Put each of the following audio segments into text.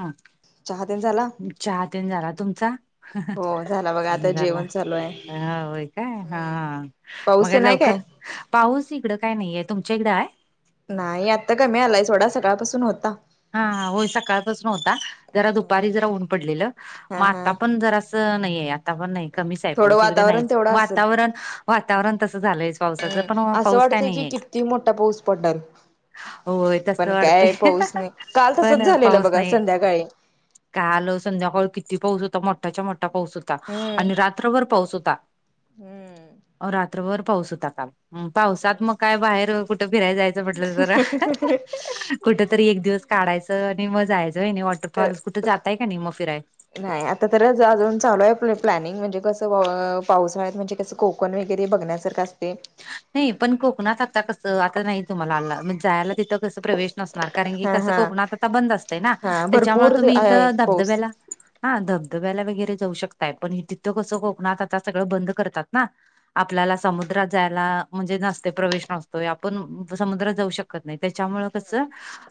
हा. चहा ते न झाला? चहा ते न झाला. तुमचा? हो झाला बघा आता झाला जेवण चालू आहे. हम्म होय काय हा हम्म. पाऊस मग तेन हाय काय? लवकर पाऊस इकडं काय नाहीय तुमच्या इकडं आहे? नाही आत्ता कमी आलाय थोडा सकाळपासून होता. हां होयं सकाळां पासूंन होतां हम्म जरां हम्म. दुपांरी जरां ऊंन पडलेलं हा मंग हा आंता पणं जरां नाहीं आंता पणं नाहीं कमीच आहे थोडं पाऊस ईकडे वातावरण नाहींचं तेवढं असेल. वातांवरण वातांवरण तसं झालंय पाऊस अंम असं काय वाटतंय कि नाहीये किती मोठा पाऊस पडणारं होय तसं पणं कायं वाटतंय पाहूंच नाहीं कांल तसंच झालेलं बघां संध्याकाळी कांल संध्याकाळी किती पाऊस होतां मं मोठा मोठा पाऊस होतां हम्म आणि रात्रंभरं पाऊस होतां हम्म रांत्रभरं पाऊस होतां कां पाऊसांत पाऊस मंग कायं बाहेर कुंठे फिरांयला जायचं मंग दमटलं म्हटलं जरां कुठं तरी एक दिवसं काढायचं आणि मंग जायचं आहे नाहीं वॉटरफॉल कुठं जातांय कां नाहीं मंग फिरायला नाहीं आंता तरचं अजूंन चालूं आहे प्लॅनिंग म्हणजे कसं पावसाळ्यांत म्हणजे कसं कोंकण वगैरें बघण्यांसारखं असते नाहीं पणं कोकणांत आंता कसं असते नाहीं तुम्हांला आंज जायंला तिथं कसं प्रवेश नसणांर कारणं की हा कसं हा कोकणांत आंता बंद असते नां हा त्यांच्यामुळे भरपूर तुम्हीं आहे इथं पाऊस धबधब्यांला हां धबधब्यांला वगैरें जाऊं शकतांय पणं तिथं कसं कोकणांत आंता सगळं बंद करतांत नां आपल्यांला समुद्रांत जायंला म्हणजे नसते प्रवेश नसतोय आपणं समुद्रांत जाऊं शकतो जाऊं शकतं नाहीं त्यांच्यामुळे कसं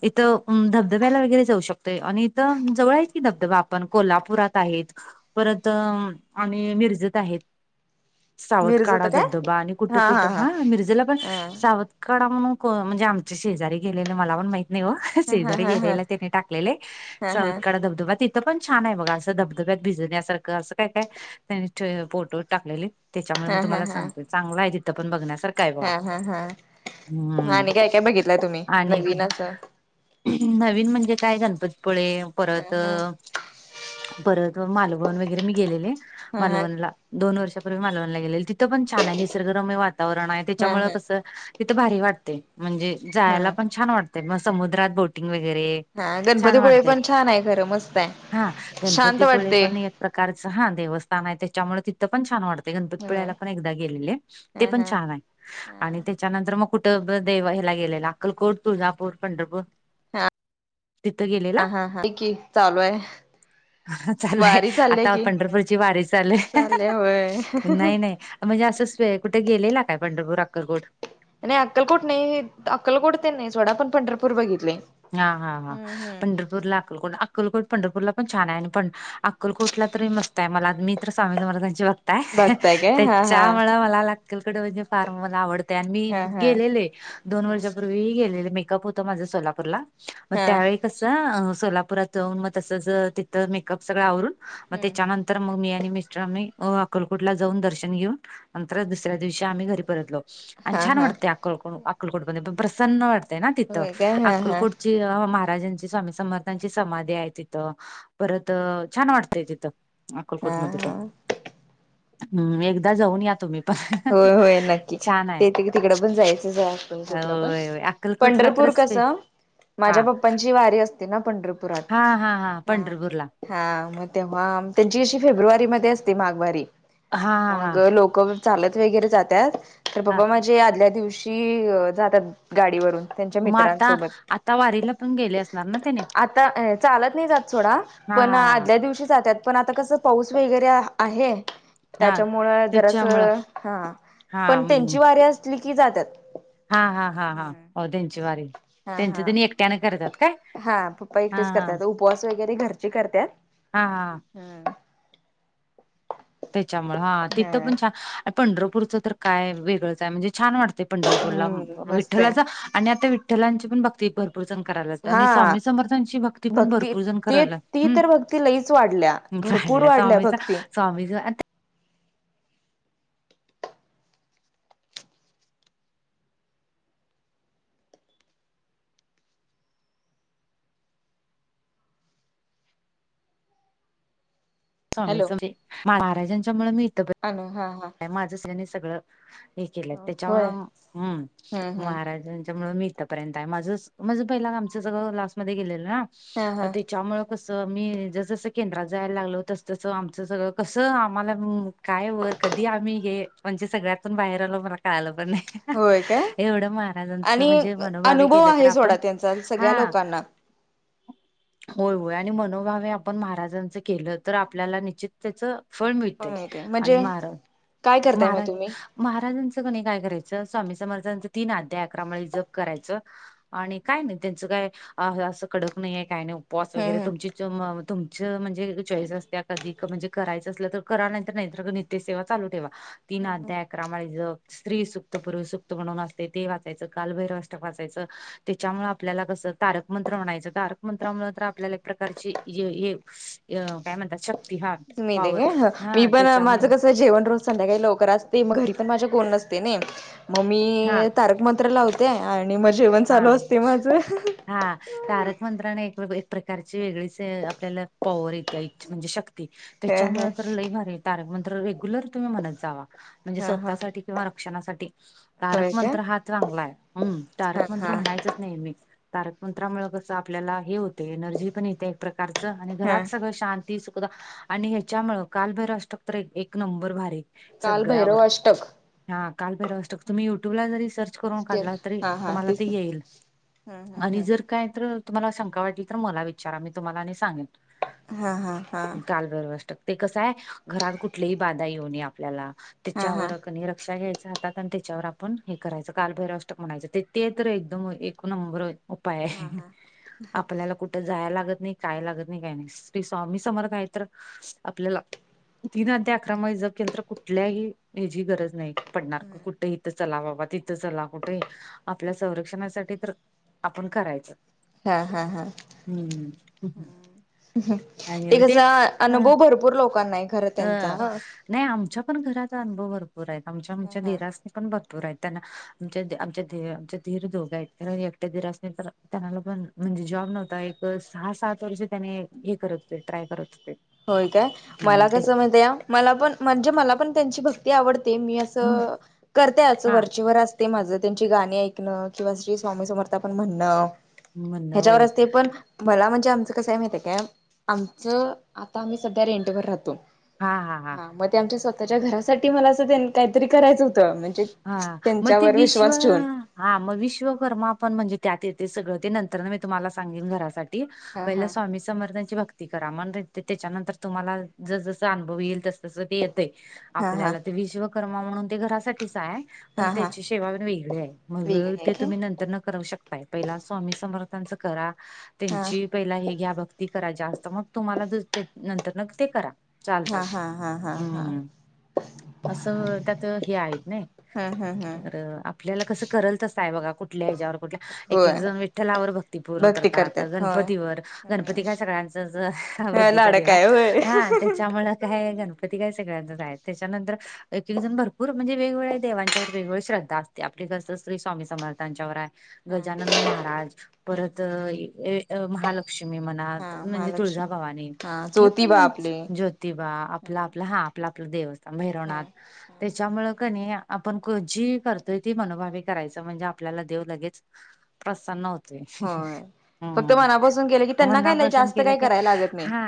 इथं धबधब्यांला वगैरें जाऊं शकतोय आणि इथं जवळं आहे आहेत की धबधबा आपण कोल्हापुरांत आहेतं परंत आम्हीं मिर्जत आहेतं सावंध मिरजत कांढा काय धबधबां आणि हा कुटुंब हा कुठं हा हां मिर्जेला पणं हा सावंत कडं म्हंण म्हणजे आमचे शेजारी गेलेले मलां पणं माहित नाहीं हो हा हा जरं हा हा येलेला त्यांने टाकलेले हा हा चौकड धबधबा तिथं पणं छान आहे बघां असं धबधब्यांत भिजण्यांसारखं असं कायं कायं त्यांनी फोटो टाकलेले त्यांच्यामुळे मी हा तुम्हां हा हा लांमीसांतेय चांगले आहे तीथं पणं बघण्यांसांरख तरं कायं बां हा हा हा हम्मं आणि काय काय बघितलंय तुम्ही आणि नवीन असं नवीन म्हणजे कायं घालतात गणपतीपुळे हा परंत हा परंत मालवंण वगैरें मी गेलेले हा हा मालवंणला दोन वर्षापूर्वी मालवंवण लागेले तिथं पणं छान आहे निसर्गरमय वातांवरण आहे त्यांच्यामुळे हा कसं तिथं भारी वाटते म्हणजे हा जायंला पणं छान वाटते मंग समुद्रांत बोटिंग वगैरे हा छान गणपतीपुळे वाढतयेत पण छान आहे खरं मस्त आहे हां शांत गणपतीपुळे वाटते पणं येतं प्रकारचं हा देवस्थानं आहे त्यांच्यामुळे तिथं पणं छान वाटतं ह गणपतपिळ्यांला ह पणं एकदाचं गेलेले आहे ते हा पणं छान आहे आणि त्यानंतर मंग कुठं देव ह्यांला गेलेला अक्कलकोट तुळजापूर पंढरपूर तिथं गेले हां हां की चालूं आहे हां चालंय वारी चाललीय आंता की पंढरपूरची वारी चालंय चालले होय नाहीं नाही नाहीं म्हणजे असं कुठे गेलेलं कायं पंढरपूर अक्कल कोट. नाहीं अक्कलकोट नाहीं अक्कलकोट ते नाहीं सोंडा पणं पंढरपूर बघितले. हां हां हां हम्म हम्म पंढरपूरला अक्कलकोट अक्कलकोट पंढरपूरला पणं छान आहे आणि पणं. अक्कलकोटलां तरी मस्तं आहे मलां मी तरं स्वामी समर्थ्यांची भक्त हांय. कायं बघताय काय हा हा त्यांच्यामुळे मलां चहा वडां अक्कलकोट म्हणजे फांर मलां आवडतं. मी हा हा गेलेले दोन वर्षापूर्वीही गेलेले मेकअप होतं माझ्या सोलापूरला. मंग हा त्यांवेळी कसं सोलापुरात जाऊंन मंग तसं जे तिथं मेकअप सगळं आवरूंन मंग हम्म त्यांच्यानंतर मंग मी आणि मिस्टरी अकलकोटला जाऊंन दर्शन घेऊंन नंतर दुसऱ्यां दिवशी आम्हीं घरी परतलो आणि हा छान हा वाटते अकलको अकलकोटप पणं प्रसन्न वाटतं ना तिथं! होय काय हा हा अक्कलकोटचे महाराजांची स्वामी समर्थांची समाधी आहे. तिथं परत छान वाटतेय. तिथं हा अकलकोटमध्ये पण हा हम्म एकदा जाऊन या तुम्ही पण [inaudible] होय होय, नक्की छान आहे. ते तिकड पण जायचं हाय. कुठ पण होय होय अक्कलकोटला तर पंढरपूर कस! स्पे हा माझ्या पप्पांची वारी असते. ना पंढपूर हा हा हा, पंढरपूर ला हा मग तेव्हा त्यांची अशी फेब्रुवारी मध्ये असते. माघवारी हा हा हा मग लोक चालत वगैरे जातात. तर हा पप्पा माझे आदल्या दिवशी की जातात. गाडीवरून त्यांच्या मग आता मित्रांसोबत आता वारीला पण गेले असणार ना त्याने आता चालत नाही जात. सोडा हा पण हा आदल्या दिवशी जातात. पण आता कसं! पाऊस वगैरे आहे. हा हा त्याच्यामुळं त्याच्यामुळं जरासं हा हा पण हम्म. त्यांची वारी असली की जातात. हा हा हा हा, हो हम्म त्यांची असे वारी हा त्यांच हा त्यांनी एकट्याने करतात काय? हा पप्पा हा एकटेच हा करतात. उपवास वगैरे घरचे करत्यात. हा हा ह त्याच्यामुळे हा तिथं पण छान पंढरपूरचं तर काय वेगळंच आहे. म्हणजे छान वाटते. पंढरपूरला हम्म मस्त आहे विठ्ठलाचा आणि आता विठ्ठलांची पण भक्ती भर भरपूर जण करायला. आणि हा स्वामी समर्थांची भक्ती पण भरपूर जण ते करायला. ती हम्म तर भक्ती लईच वाढल्या भरपूर वाढल्या स्वामीच भक्ती स्वामीच आता स्वामी महाराजांच्यामुळे मी इथ अनू हा हा माझ त्यानी सगळं हे केलं. होय त्याच्यामुळ हम्म हम्म महाराजांच्या मुळ मी आपर्यंत आहे. माझ म्हण पहिला आमच सगळं लास्ट मध्ये गेलेलं ना! हा हा त्याच्यामुळे मी जस जस केंद्रात जायला लागलो. तस तसं आमचं सगळं कस आम्हाला काय वर कधी आम्ही हे म्हणजे सगळ्यातून बाहेर आलो. मला कळाल पण नाही. होय काय एवढं महाराजांच आणि म्हणजे मनोभावी अनुभव केल तर आहे सोडा आपण त्यांचा सगळ्या हा लोकांना होय होय, आणि मनोभावे आपण महाराजांच केलं. तर आपल्याला निश्चित त्याच फळ मिळतय. आणि म्हणजे महाराज काय करताय मग महाराज तुम्ही महाराजांचं कने काय करायचं. स्वामी समर्थचं तीन अध्याय अकरा माळी जप करायचं. आणि काय नाही. त्यांचं काय असं कडक नाही आहे. काही नाही उपवास वगैरे हम्म तुमची हम्म तुमच म्हणजे चॉईस असत्या कधी म्हणजे करायचं. असल तर करा नाहीर नित्यसेेवा चालू ठेवा तीन अध्याय अकरा माळी जप स्त्री सुक्त, पुरुष सुक्त म्हणून असते ते वाचायचं. कालभैरवाष्टक वाचायचं. त्याच्यामुळे आपल्याला कसं तारक मंत्र म्हणायचं तारक मंत्रा म्हटल तर आपल्याला एक प्रकारची हे हे अ काय म्हणतात. शक मिळते काय ह मी पण काय माझं कसं जेवण संध्याकाळी लवकर असते. मग घरी पण माझ्या कोण नसतेय, ना मग हा मी तारक मंत्र लावत. ते आणि मग जेवण चालू हा असते. माझं हा तारक मंत्राने एक एक प्रकारची वेगळीच आपल्याला पॉवर येते म्हणजे शक्त क्ती ह ह त्याच्यामुळे तर लई भारी मंत्र रेग्युलर तुम्ही म्हणत जावा. म्हणजे हा हा स्वतःसाठी किंवा रक्षणासाठी तारक होय काय मंत्र हा चांगला आहे. हम् तारक हा मंत्र हा म्हणायच नाही. मी तारक मंत्रामुळे कसं! आपल्याला हे होते एनर्जी पण येते. प्रकारच आणि हा घरात सगळ शांत आणि ह्याच्यामुळ, कालभैरव अष्टक तर एक नंबर भारी. काल भैरव सगळ्यावर, अष्टक हा कालभैरव अष्टक तुम्ही युट्यूबला जरी सर्च करून काढला तरी हा हा तुम्हाला तेच ते येईल. हा हा आणि हा जर काही तर तुम्हाला शंका वाटली तर मला विचारा मी तुम्हाला आणि सांगेन. हा हा हा ते कस आहे, घरात कुठलीही बाधा येऊ नये आपल्याला. हा त्याच्यावर कणी रक्षा घ्यायच हातात, आणि त्याच्यावर आपण हे करायच काल भैरवष्टक म्हणायच. ते ते तर एकदम एक नंबर उपाय आहे. आपल्याला कुठ जायला लागत नाही. काय लागत नाही काय नाही. श्री स्वामी समर्थ आहेत तर आपल्याला तीन अध्याय, अकरा माळी जप केल तर कुठल्याही ह्याची गरज नाही. पडणार, क कुठे इथ चला बाबा तिथ चला. कुठही आपल्या संरक्षणासाठी तर आपण करायच. हा हा हा हम्म ते कस, ह अनुभव भरपूर लोकांना आहे खर अ त्यांचा. ह नाही आमच्या पण घरात अनुभव भरपूर आहेत. आमच्या आमच्या हा. दीरा पण भरपूर आहेत त्यांना. आमच्या आमच्या आमच्या दीर दोघ आहेत. म्हणून एकटे दीर असले तर त्यांना लोकां, पण म्हणजे जॉब नव्हता. एक सहा सात वर्ष त्याने हे करत होते ट्राय करत होते. होय काय, हम्म, मला ते कस माहितीय मला पण म्हणजे मला पण त्यांची भक्ती आवडते. मी हम्म, करते अस हा वरचेवर अस. ते माझ, त्यांची गाणी ऐकण किंवा श्री स्वामी समर्थ आपण म्हणण. म्हणणं ह्याच्यावर होय असते, पण मला म्हणजे आमच कस आहे माहित काय? आमच आता आम्ही सध्या रेंट वर राहतो. हा मग ते आमच्या स्वतःच्या घरासाठी मला अस त्यां काहीतरी करायच होत. म्हणजे हा मग ते त्यांच्यावर विश्व विश्वास ठेवून. हा मग, विश्वकर्मा पण म्हणजे त्यात येते सगळ. ते नंतर ना मी तुम्हाला सांगेन घरासाठी. हा पहिला हा स्वामी स समर्थांची भक्ती करा. म्हण त्याच्यानंतर तुम्हाला जस जस अुभव येईल तसस ते ते हा हा आपल्याला ते विश्वकर्मा म्हणून ते घरासाठीच आहे. पण हा हा त्याची सेवा पण वेगळी आहे. मग वेगळं आहे ते तुम्ही काय नंतर न करु शकता. पहिला स्वामी समर्थांच करा. हा त्यांची पहिला हे घ्या, भक्ती करा जास्त. मग तुम्हाला दुस नंतरन ते करा. हा चालतय. हा हा हा हा हम्म, अस त्यात हे आहेत. नाही हम्म हम्म हम्म तर आपल्याला कस करल तस आहे बघा. कुठल्या ह्याच्यावर कुठल्या, एक एक होय जण विठ्ठलावर भक्ती पूर्ण भक्ती करतात. होय गणपतीवर गणपती काय सगळ्यांच ह बुद्धीचा लाडक देव आहे. होय हा त्याच्यामुळ काय गणप गणपती काय सगळ्याचाच आहे. त्याच्यानंतर एक एक जण भरपूर म्हणजे वेगवेगळ्या देवांच्यावर वेगवेगळी श्रद्धा असते. आपली कस श्री स्वामी समर्थांच्यावर आहे. गजानन महाराज परत, महालक्ष्मी म्हनात म्हणजे महालक्ष्मी तुळजाभवानी. हा हे ज्योतिबा पणच, आपले ज्योतिबा आपल आपल हा आपल आपल देवस्थान. भैरवनाथ त्याच्यामुळे कणी आपण जी करतोय ती मनोभावी करायच. म्हणजे आपल्याला देव लगेच प्रसन्न होते. होय फक्त हम्म, मनापासून केलं की त्यांना काय मनापासून जास्त केल काही की करायला लागत नाही हा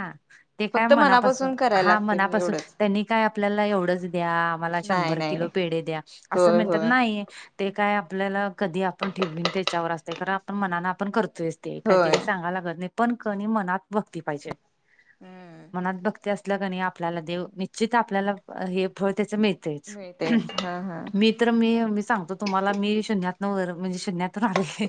ते काय फक्त मनापासून करायला हा लागते मनापासून, एवढंच त्यांनी काय आपल्याला एवढच द्या. आम्हाला नाही शंभर किलो नाही पेढ द्या, अस होय म्हणतात होय नाही. ते काय आपल्याला कधी आपण ठेविन त्याच्यावर अ ते आपण मनान आपण करतोयस ते काही ते होय काही सांगाला लागत नाही पण कणी मनात बघती पाहिजे. हम्म मनात बघती असलं कणी आपल्याला देव निश्चित आपल्याला हे फळ त्याच मिळत. तेच. तेच हा. हा मी तर मी मी सांगतो तुम्हाला मी शून्यात न म्हणजे शून्यात राहिले.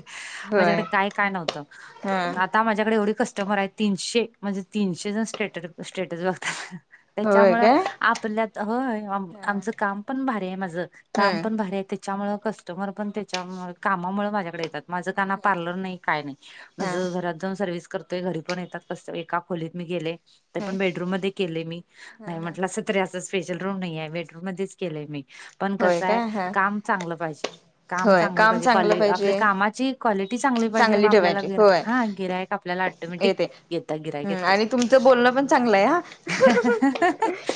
होय माझ्याकडे काय काय नव्हतं. हा. आता माझ्याकडे एवढी कस्टमर आहे तीनशे म्हणजे तीनशे जण स्टेट स्टेटस बघतात. त्याच्यामु होय काय आपल्यात ह हा आमचं काम पण भारी आहे माझ काम हम्म पण. भारी हाय त्याच्यामुळे कस्टमर पण त्याच्या कामामुळे माझ्याकडे येतात. माझं काना पार्लर नाही काय नाही हा माझं घरात. सर्वस करतोय घरी पण येतात कस एका खोलीत मी गेले. ते ह पण बेडरूम मध्ये केले मी ह नाही ह म्हटलं असं तरी असं स्पेशल रूम नाही आहे बेडरूम मध्ये. केले मी पण होय कसंय काय हा काम चांगलं पाहिजे. काम चांगलं पाहिजे क्वाल आपल्या कामाची क्वालिटी चांगली पाहिजे मग आपल्याला ठेवायची गिरा होय हा गिराय. येते हम् आणि तुमचं बोलणं पण चांगलंय हा.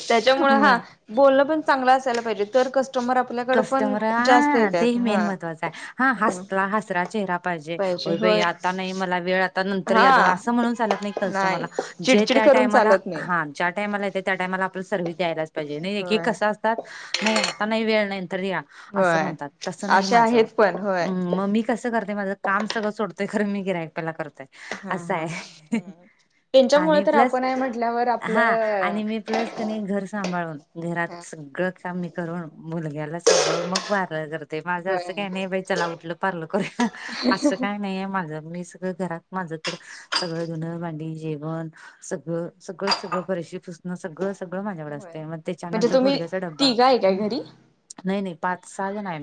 त्याच्यामुळे हा मग बोलणं पण चांगलं असायला पाहिजे तर कस्टमर. आपल्याकड पण कस्टमर जास्त हा येतात. तेही मेन हा महत्वा आहे हा हसला हसरा चेहरा पाहिजे हो बाई आता नाही मला वेळ. आता नंतर या जाव हा असं म्हणून चालत नाही कस्टमरला जे चिडचिड त्या करून टाइमाला चालत नाही हा. टाला येत त्या टाला आपला सर्व्हस द्यायलाच पाहिजे होय कसं असतात नाही आता नाही वेळ. नंतर या अस होय म्हणतात तसं नाही अशा माझं आहेत पण होय मग मी कसं करतय माझं काम सगळं सोडतय खर मी गियक पल्याला करतोय. हा असं हा आहे त्यांच्यामुळे आणि तर प्लस आपण आहे म्हटल्यावर हा आपलं आणि मी. आप क घर सांभाळून घरात सगळं का. ून मुलग्याला सभाळून मग बार. ते माझं होय असं काही नाही बा चला उठलं पलं कर असं काही नाहीे माझं मीच. स घरात माझ तर सगळं ुन मांडी जेवण. सगळं सगळं सगळं बरेशी पुसण सगळं. सगळं माझ्याकडं होय असतय मग म्हणजे त्याच्यानंतर तुम्ही पोरग्याचा डबा तिघा आहे काय ह. घरी नाही नाही पाच सहा जण आहे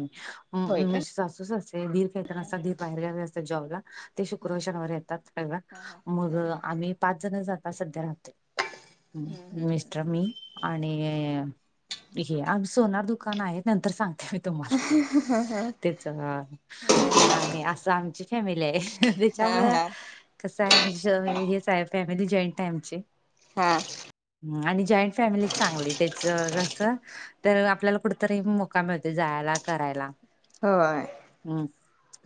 होय मी का? मी सासूस असेधीर खेळताना असता धीर बाहेर गेवे अस. जॉबला ते शुक्रवार शनिवारी येतात घरला मग आम्ही पाच जण जाता सध्या राहते मिस्टर मी. आणि हे आम सोनार दुकान आहे नंतर सांग ते तुम्हाला त्याच आणि असं आमची फॅमिली आहे हा त्याच्यामुळे हा कसं आहे म्हणजे हेच आहे फॅमिली जॉईंट आहे आमचे. हा. आणि जॉईंट फॅमिली चांगली त्याच कस तर आपल्याला कुठ. तरी मोका मिळते जायला करायला. होय. हम्म.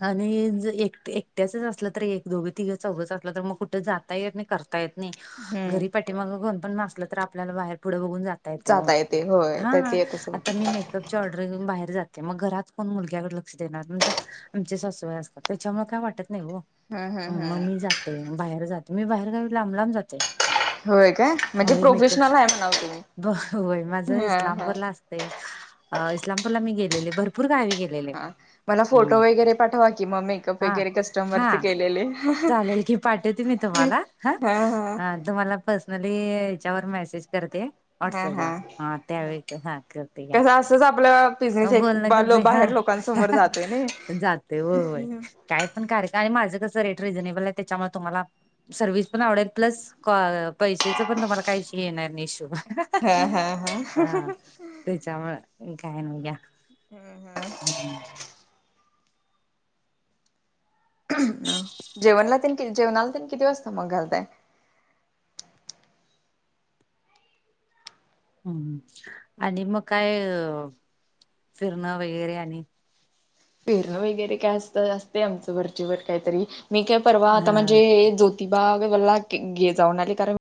आणि ज एक एकट्याचच असलं तररी एक दोघे तिघं चौघंच असलं तर मग कुठं जाता नाही कर. नाही हम्म. घरी पाठी मग कोण पण मासलं तर आपल्याला बाहेर पुढं बघून जात. तेन जाता येते होय तर हाा ते तसं आता होतं. मी म पअ ची ऑर्डर घऊ बाहेर जाते मग घरात कोण मुलग्याकडे लक्ष देणार म्हण आमचे सासवय अस. त्याच्यामुळे काय वाटत नाही हो. हम्म ह हम्म मग हम्म. मी जाते बाहेर जाते मी बाहेर काा लांब लांब जाते. होय काय म्हणजे वय मेक प्रोफेशनल आहे म्हणाव तुम्ही. ब वय माझ हा हा. इस्लामपूर ला असत. इस्लामपूरला मी गेलेले भर हा मला फोटो वगैरे पाठवा कि मग मेकअप वगैरे कस्टमरचे केलेले. त हा हा तुमला पर्सनली याच्यावर मेसेज करते. व्हॉट्सअप ला हा त्यावेळी हा करते या. असच आपलं प. म बोलण का बे ह्या नाही. जाते हो. काय पण कार का आणि माझं कसं रेट रिझनेबल आहे त्याच्यामुळे तुम्हाला. सर्व्हस पण आवडेल प्लस क पैसेच पण तुम्हाला काहीशी येणार नाही इशूभ. हा हा हा तच्या कायन. हम्म. जेवणला ति जेवणाला त किती वाजता मग घालताय. हम् आणि मग काय अ फिरणं वगैरे आणि. फेरणं वगैरे काय असत असते आमचं घरचीवर काहीतरी मी काय परवा आता अ म्हणजे जो. ति बाग गला घे जाऊन आले कारण.